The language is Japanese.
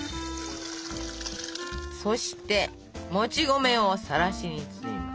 そしてもち米をさらしに包みます。